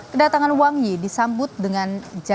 kedatangan wangi disambut dengan jadwal